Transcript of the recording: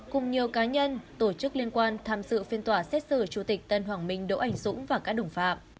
cùng nhiều cá nhân tổ chức liên quan tham dự phiên tòa xét xử chủ tịch tân hoàng minh đỗ anh dũng và các đồng phạm